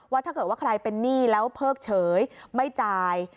ถ้าเกิดว่าใครเป็นหนี้แล้วเพิกเฉยไม่จ่าย